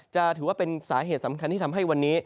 จะถือว่าเป็นสาเหตุสำคัญที่ทำให้วันนี้